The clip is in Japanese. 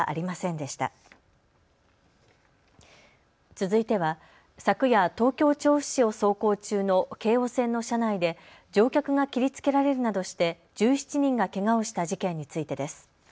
続いては昨夜、東京調布市を走行中の京王線の車内で乗客が切りつけられるなどして１７人がけがをした事件についてです。